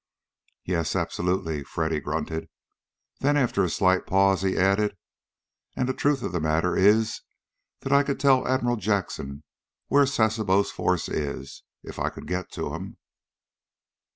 "Yes, absolutely!" Freddy grunted. Then, after a slight pause, he added, "And the truth of the matter is that I could tell Admiral Jackson where Sasebo's force is, if I could get to him."